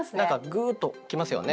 グーッと来ますよね。